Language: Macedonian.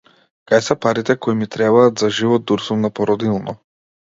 Кај се парите кои ми требаат за живот дур сум на породилно.